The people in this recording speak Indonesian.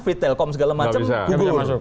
vtel kom segala macam gugur